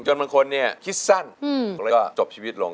จนบางคนคิดสั้นแล้วก็จบชีวิตลง